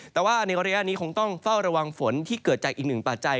แต่ว่าในระยะนี้คงต้องเฝ้าระวังฝนที่เกิดจากอีกหนึ่งปัจจัย